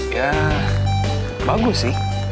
ya bagus sih